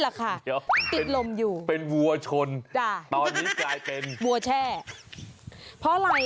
แหละค่ะเดี๋ยวติดลมอยู่เป็นวัวชนจ้ะตอนนี้กลายเป็นวัวแช่เพราะอะไร